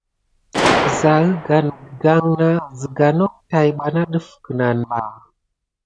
Misasin higana na an siga nok tät pak def kinaba.